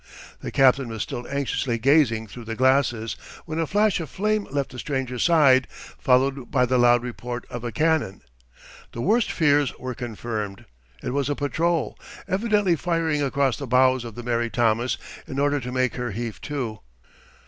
The captain was still anxiously gazing through the glasses, when a flash of flame left the stranger's side, followed by the loud report of a cannon. The worst fears were confirmed. It was a patrol, evidently firing across the bows of the Mary Thomas in order to make her heave to.